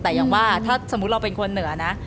แต่อย่างว่าถ้าสมมุติเราเป็นคนเหนือนะ